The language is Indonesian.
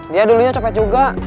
dia dulunya copet juga